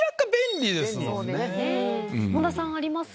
⁉本田さんあります？